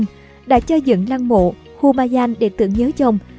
họ đã xây dựng lăng mộ humayun để tưởng nhớ chồng